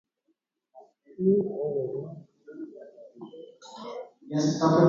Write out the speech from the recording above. Y ogueru y'akãgui.